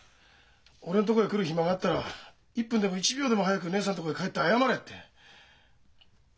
「俺のとこへ来る暇があったら１分でも１秒でも早く義姉さんのとこへ帰って謝れ」って。